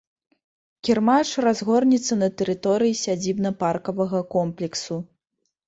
Кірмаш разгорнецца на тэрыторыі сядзібна-паркавага комплексу.